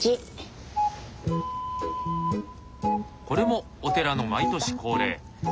これもお寺の毎年恒例。